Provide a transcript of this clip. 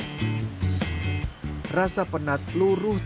kali biru layaknya oase keindahan di jantung teluk maya libit